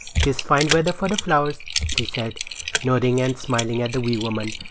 "'Tis fine weather for flowers," said she, nodding and smiling at the wee woman.